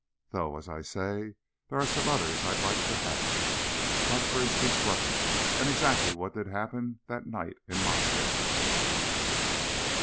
Though, as I say, there are some others I'd like to have._ _Like, for instance, Russia. And exactly what did happen that night in Moscow.